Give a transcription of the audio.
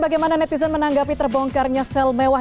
bagaimana netizen menanggapi terbongkar nyesel mewah